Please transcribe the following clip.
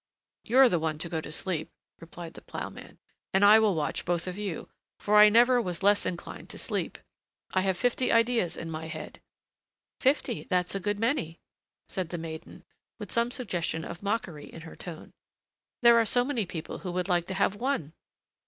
"You're the one to go to sleep," replied the ploughman, "and I will watch both of you, for I never was less inclined to sleep; I have fifty ideas in my head." "Fifty, that's a good many," said the maiden, with some suggestion of mockery in her tone; "there are so many people who would like to have one!"